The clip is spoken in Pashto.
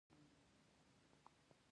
کلتور د ورځني ژوند بڼه ټاکي.